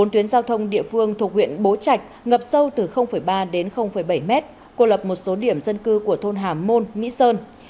bốn tuyến giao thông địa phương thuộc huyện bố trạch ngập sâu từ ba đến bảy mét cô lập một số điểm dân cư của thôn hà môn mỹ sơn